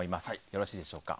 よろしいでしょうか。